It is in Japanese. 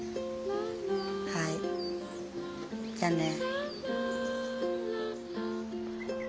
はいじゃあね。